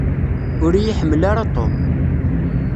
Ur iyi-ḥemmel ara Tom.